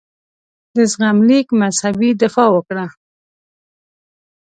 د زغم لیک مذهبي دفاع وکړه.